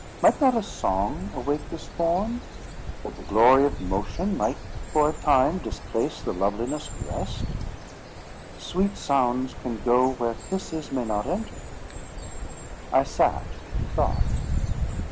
Might not a song awake this form, that the glory of motion might for a time displace the loveliness of rest? Sweet sounds can go where kisses may not enter. I sat and thought.